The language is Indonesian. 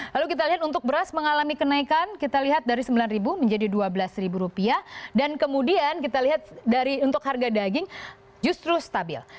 lalu kita lihat untuk beras mengalami kenaikan kita lihat dari rp sembilan menjadi rp dua belas dan kemudian kita lihat untuk harga daging justru stabil